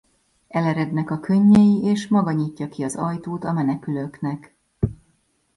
Elerednek a könnyei és maga nyitja ki az ajtót a menekülőknek.